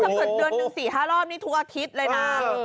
ถ้าเกิดเดือนหนึ่ง๔๕รอบนี่ทุกอาทิตย์เลยนะ